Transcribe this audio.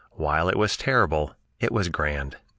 While it was terrible, it was grand.